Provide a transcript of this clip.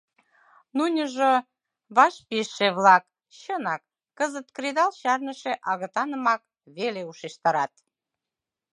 Нуныжо, вашпижше-влак, чынак, кызыт кредал чарныше агытанымак веле ушештарат.